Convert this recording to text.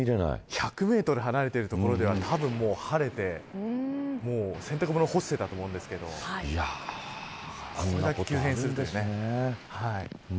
１００メートル離れているところではたぶん晴れて洗濯物、干していたと思うんですけどこれだけ急変するとはね。